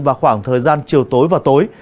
vào khoảng thời gian chiều tối và tối